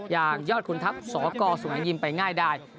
อย่างยอดขุนทัพสกสุงหายิมไปง่ายได้